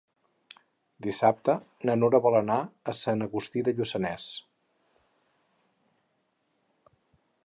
Dissabte na Nura vol anar a Sant Agustí de Lluçanès.